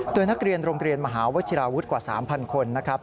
โดยนักเรียนโรงเรียนมหาวชิราวุฒิกว่า๓๐๐คนนะครับ